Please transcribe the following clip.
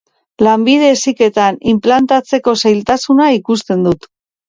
Lanbide Heziketan inplantatzeko zailtasuna ikusten dut.